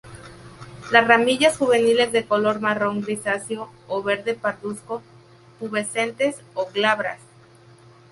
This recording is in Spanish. Las ramillas juveniles de color marrón grisáceo o verde pardusco, pubescentes o glabras.